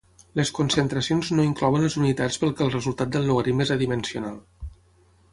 Les concentracions no inclouen les unitats pel que el resultat del logaritme és adimensional.